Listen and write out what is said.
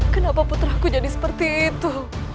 kenapa putraku jadi seperti itu